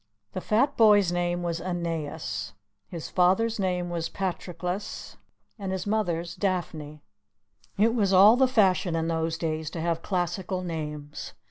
The fat boy's name was Aeneas, his father's name was Patroclus, and his mother's Daphne. It was all the fashion in those days to have classical names.